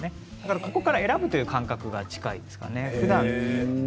ここから選ぶという感覚が近いですね。